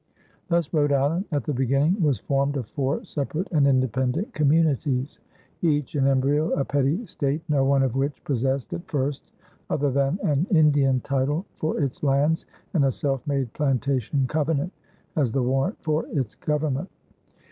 Thus Rhode Island at the beginning was formed of four separate and independent communities, each in embryo a petty state, no one of which possessed at first other than an Indian title for its lands and a self made plantation covenant as the warrant for its government.